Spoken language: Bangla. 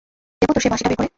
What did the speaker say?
দেবো তোর সেই বাঁশিটা বের করে?